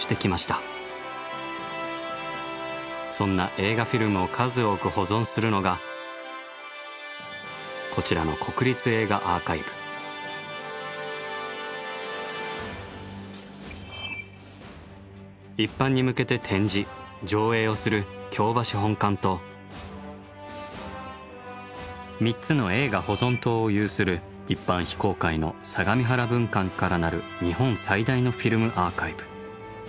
そんな映画フィルムを数多く保存するのがこちらの一般に向けて展示・上映をする京橋本館と３つの映画保存棟を有する一般非公開の相模原分館からなる日本最大のフィルムアーカイブ。